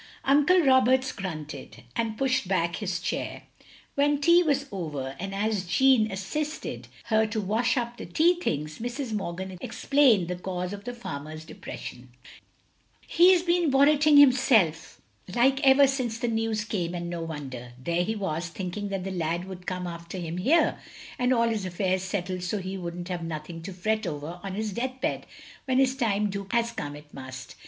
" Uncle Roberts grunted, and pushed back his chair. When tea was over, and as Jeanne assisted 144 THE LONELY LADY her to wash up the tea things, Mrs. Morgan ex plained the cause of the farmer's depression. " He 's been worritting hisself like ever since the news came, and no wonder. There he was, thinking that the lad would come after him here; and all his affairs settled so he wouldn't have nothing to fret over on his death bed when his time do come as come it must.